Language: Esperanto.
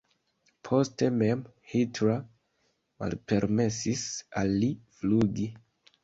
Poste mem Hitler malpermesis al li flugi.